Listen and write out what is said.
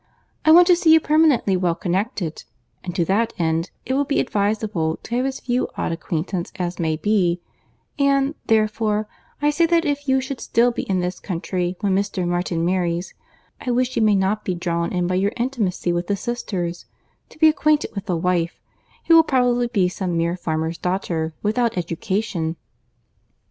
I want to see you permanently well connected, and to that end it will be advisable to have as few odd acquaintance as may be; and, therefore, I say that if you should still be in this country when Mr. Martin marries, I wish you may not be drawn in by your intimacy with the sisters, to be acquainted with the wife, who will probably be some mere farmer's daughter, without education."